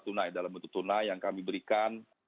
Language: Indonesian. tunai dalam bentuk tunai yang kami berikan